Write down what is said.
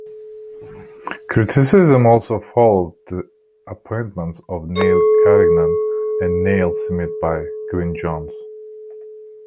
Criticism also followed the appointments of Neil Carignan and Neil Smith by Gwyn Jones.